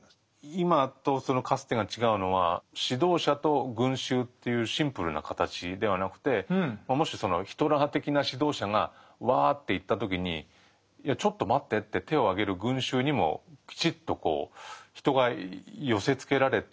今とそのかつてが違うのは指導者と群衆というシンプルな形ではなくてもしそのヒトラー的な指導者がワーッていった時に「いやちょっと待って」って手をあげる群衆にもきちっと人が寄せつけられて。